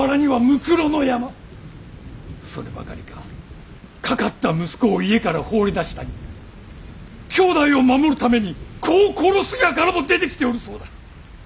そればかりかかかった息子を家から放り出したり兄弟を守るために子を殺す輩も出てきておるそうだ。